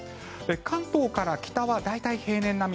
関東から北は大体平年並み。